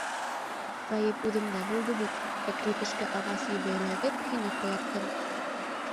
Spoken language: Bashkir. — Ғәйеп үҙемдә булды бит, кәкре тешкә ағас ебе эләгеп, һине ҡолаттым...